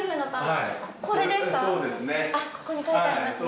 ここに書いてありますね。